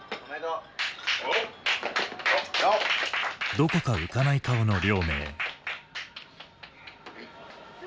どこか浮かない顔の亮明。